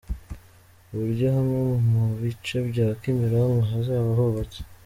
Uburyo hamwe mu bice bya Kimironko hazaba hubatse.